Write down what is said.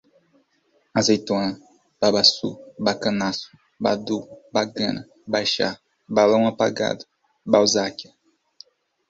azeitona, babaçú, bacanaço, badú, bagana, baixar, balão apagado, balzáquia